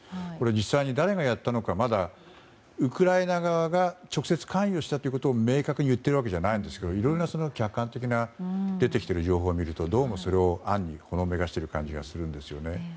実際に誰がやったのかウクライナ側が直接関与したということを明確に言ってるわけじゃないんですけどいろいろな、客観的な出てきている情報を見るとどうもそれを暗にほのめかしてる感じがするんですよね。